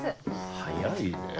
早いねぇ。